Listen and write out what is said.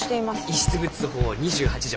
遺失物法２８条